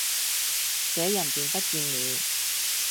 這人便不見了。